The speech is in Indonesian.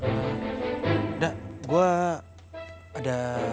nggak gue ada